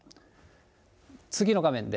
次の画面で。